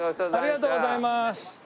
ありがとうございます。